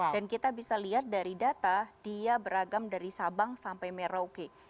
kita bisa lihat dari data dia beragam dari sabang sampai merauke